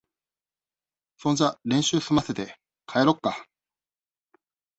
そんじゃ練習すませて、帰ろっか。